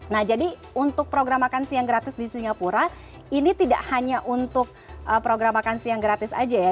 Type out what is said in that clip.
nah jadi untuk program makan siang gratis di singapura ini tidak hanya untuk program makan siang gratis aja ya